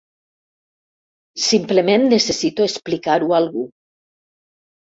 Simplement necessito explicar-ho a algú.